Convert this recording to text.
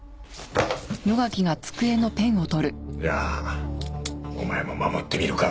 じゃあお前も守ってみるか？